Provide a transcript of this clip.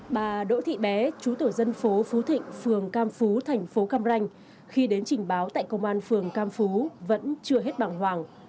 bà đỗ thị bé chú tổ dân phố phú thịnh phường cam phú thành phố cam ranh khi đến trình báo tại công an phường cam phú vẫn chưa hết bằng hoàng